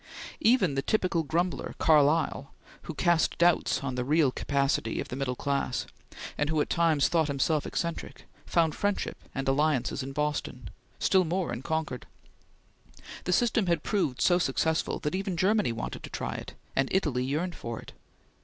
Even the typical grumbler Carlyle, who cast doubts on the real capacity of the middle class, and who at times thought himself eccentric, found friendship and alliances in Boston still more in Concord. The system had proved so successful that even Germany wanted to try it, and Italy yearned for it.